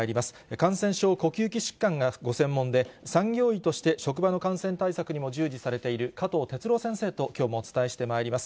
感染症、呼吸器疾患がご専門で、産業医として職場の感染対策にも従事されている、加藤哲朗先生ときょうもお伝えしてまいります。